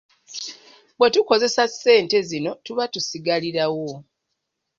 Bwe tukozesa ssente zino tuba tusigalirawo.